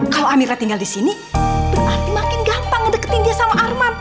kalau amira tinggal di sini berarti makin gampang ngedekin dia sama arman